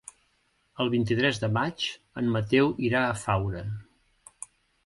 El vint-i-tres de maig en Mateu irà a Faura.